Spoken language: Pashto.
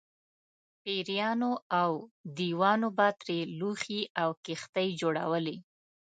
پېریانو او دیوانو به ترې لوښي او کښتۍ جوړولې.